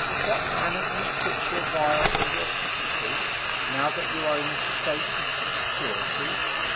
What, cannot you quit your wiles and your subtleties, now that you are in a state of security?